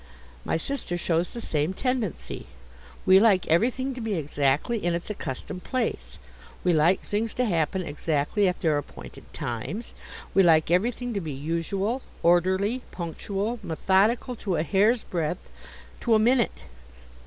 My sister shows the same tendency. We like everything to be exactly in its accustomed place; we like things to happen exactly at their appointed times; we like everything to be usual, orderly, punctual, methodical, to a hair's breadth, to a minute.